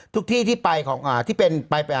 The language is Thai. ทุกที่ที่ไปของที่เป็นไป